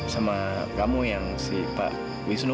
sama kamu yang si pak wisnu